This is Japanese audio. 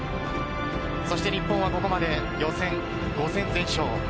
そして日本は、ここまで予選５戦全勝。